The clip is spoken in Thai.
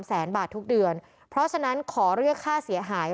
แสนบาททุกเดือนเพราะฉะนั้นขอเรียกค่าเสียหาย